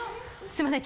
すいません。